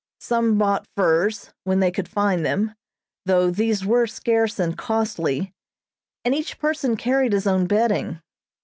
Some bought furs, when they could find them, though these were scarce and costly, and each person carried his own bedding.